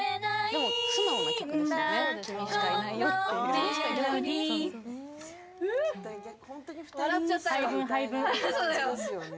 でも素直な曲ですよね。